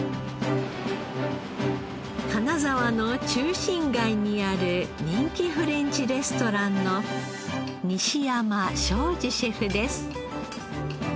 金沢の中心街にある人気フレンチレストランの西山昭二シェフです。